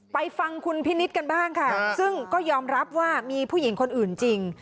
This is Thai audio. ไปฟังคุณพินิษฐ์กันบ้างค่ะซึ่งก็ยอมรับว่ามีผู้หญิงคนอื่นจริง